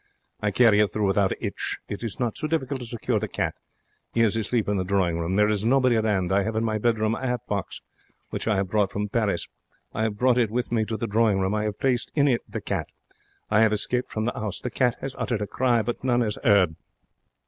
I carry it through without a 'itch. It is not so difficult to secure the cat. 'E is asleep in the drawing room. There is nobody at hand. I have in my bedroom a 'at box which I have brought from Paris. I have brought it with me to the drawing room. I have placed in it the cat. I have escaped from the 'ouse. The cat has uttered a cry, but none has 'eard.